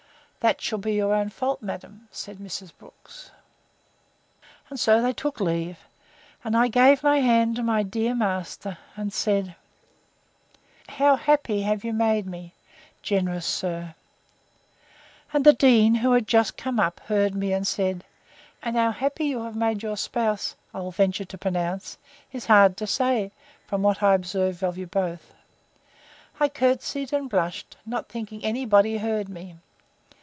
That shall be your own fault, madam, said Mrs. Brooks. And so they took leave; and I gave my hand to my dear master, and said, How happy have you made me, generous sir!—And the dean, who had just come up, heard me, and said, And how happy you have made your spouse, I'll venture to pronounce, is hard to say, from what I observe of you both. I courtesied, and blushed, not thinking any body heard me.